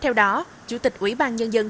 theo đó chủ tịch kinh tế phương nam